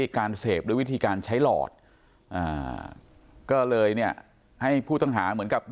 การเสพด้วยวิธีการใช้หลอดก็เลยเนี่ยให้ผู้ต้องหาเหมือนกับ